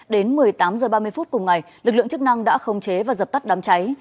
đến một mươi tám h ba mươi phút cùng ngày lực lượng chức năng đã khống chế và dập tắt đám cháy